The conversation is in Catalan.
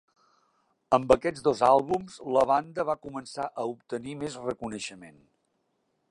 Amb aquests dos àlbums, la banda va començar a obtenir més reconeixement.